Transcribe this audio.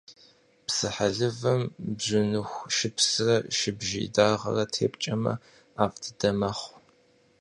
Псыхьэлывэм бжьыныху шыпсрэ шыбжий дагъэрэ тепкӏэжмэ, ӏэфӏ дыдэ мэхъу.